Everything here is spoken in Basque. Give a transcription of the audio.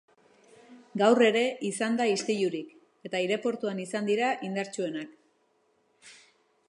Gaur ere izan da istilurik, eta aireportuan izan dira indartsuenak.